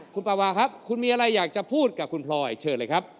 คุณปาวาครับคุณมีอะไรอยากจะพูดกับคุณพลอยเชิญเลยครับ